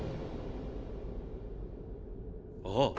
あっ！